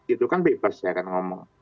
itu kan bebas saya kan ngomong